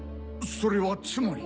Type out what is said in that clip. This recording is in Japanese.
それはつまり。